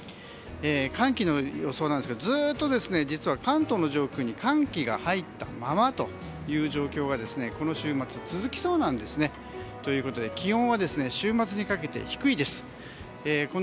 寒気の予想ですけどずっと、実は関東の上空に寒気が入ったままという状況がこの週末、続きそうなんですね。ということで気温は週末にかけて低いです。